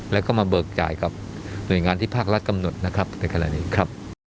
แล้วก็มาเบิกจ่ายกับหน่วยงานที่ภาครัฐกำหนดนะครับ